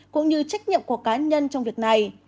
cũng như trách nhiệm của cá nhân trong việc này